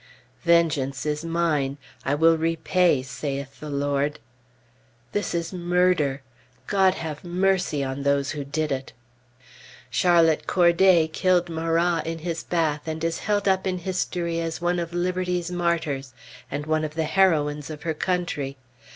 "Vengeance is mine; I will repay, saith the Lord." This is murder! God have mercy on those who did it! Charlotte Corday killed Marat in his bath, and is held up in history as one of Liberty's martyrs, and one of the heroines of her country.